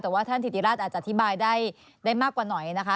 แต่ว่าท่านถิติราชอาจจะอธิบายได้มากกว่าหน่อยนะคะ